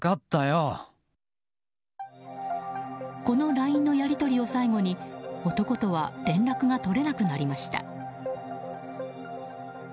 このＬＩＮＥのやり取りを最後に男とは連絡が取れなくなりました。